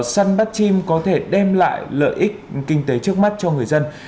săn bắt chim có thể đem lại lợi ích kinh tế trước mắt cho người dân